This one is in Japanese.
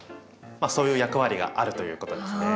そういう役割があるということですね。